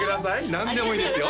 何でもいいですよ